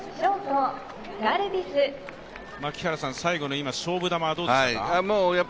最後の勝負球、どうでしたか？